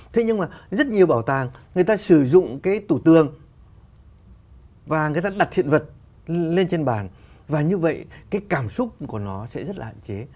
thế nhưng mà rất nhiều bảo tàng người ta sử dụng cái tủ tương và người ta đặt hiện vật lên trên bàn và như vậy cái cảm xúc của nó sẽ rất là hạn chế